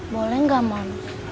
boleh enggak moms